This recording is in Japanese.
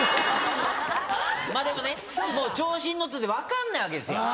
まぁでもねもう調子に乗ってて分かんないわけですよ。